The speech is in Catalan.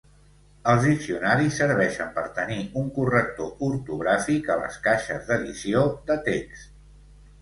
Els diccionaris serveixen per tenir un corrector ortogràfic a les caixes d'edició de text.